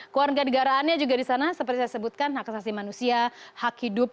keluarga negaraannya juga di sana seperti saya sebutkan hak asasi manusia hak hidup